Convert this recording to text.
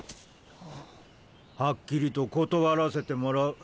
「はっきりと断らせてもらう。